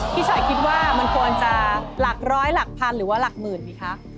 พี่ชอยคิดว่ามันควรจะหลัก๑๐๐๐๐๐หรือหลัก๑๐๐๐บาทดีคะ